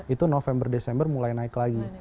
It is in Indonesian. itu november desember mulai naik lagi